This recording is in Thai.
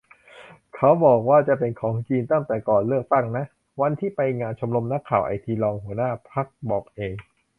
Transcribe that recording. เขาบอกว่าจะเป็นของจีนตั้งแต่ก่อนเลือกตั้งนะ วันที่ไปงานชมรมนักข่าวไอที รองหัวหน้าพรรคบอกเอง